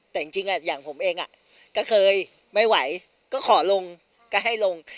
แต่จริงอย่างผมเองก็เคยไม่ไหวก็ขอลงก็ให้ลง